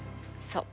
そう！